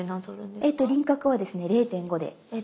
えっと輪郭はですね０．５で。